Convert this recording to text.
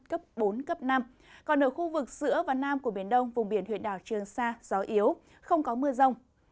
cấp bốn cấp năm còn ở khu vực giữa và nam của biển đông vùng biển huyện đảo trường sa gió yếu không có mưa rông